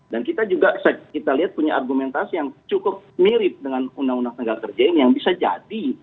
dan kita juga kita lihat punya argumentasi yang cukup mirip dengan undang undang tenaga kerja ini yang bisa jadi